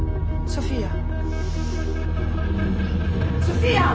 ソフィア！